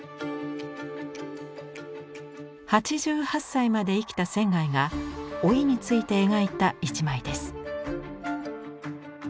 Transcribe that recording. ８８歳まで生きた仙が「老い」について描いた一枚です。